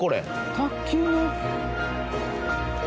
卓球の。